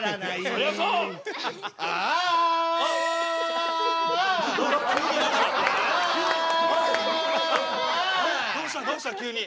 アアアアどうしたどうした急に。